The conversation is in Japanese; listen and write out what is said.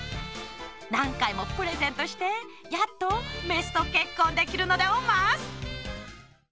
なんかいもプレゼントしてやっとメスとけっこんできるのでオマス。